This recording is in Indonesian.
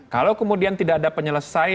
kalau kemudian tidak ada penyelesaian yang akur